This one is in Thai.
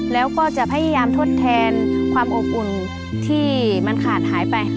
แล้วก็จะพยายามทดแทนความอบอุ่นที่มันขาดหายไป